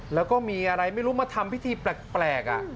แล้วก็มีอะไรไม่รู้มาทำพิธีแปลก